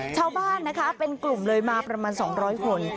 ชาวบ้านนะคะเป็นกลุ่มเลยมาประมาณ๒๐๐คน